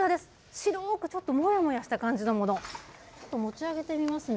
白くちょっともやもやした感じのもの、ちょっと持ち上げてみますね。